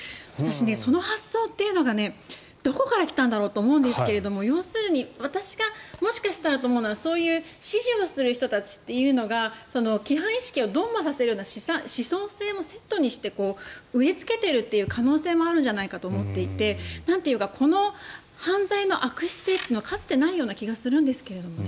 その発想というのがどこから来たんだろうと思うんですけど要するに私がもしかしたらと思うのはそういう指示をする人たちというのが規範意識を鈍麻させるような思想性もセットにして植えつけているという可能性もあるんじゃないかと思っていてこの犯罪の悪質性はかつてないような気がするんですけどね。